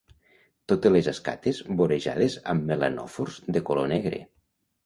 Totes les escates vorejades amb melanòfors de color negre.